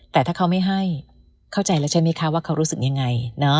แต่ถ้าเขาไม่ให้เข้าใจแล้วใช่ไหมคะว่าเขารู้สึกยังไง